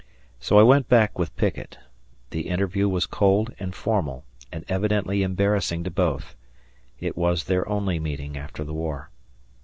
So I went back with Pickett; the interview was cold and formal, and evidently embarrassing to both. It was their only meeting after the war.